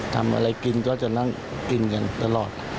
ทำอะไรกินก็จะนั่งกินกันตลอด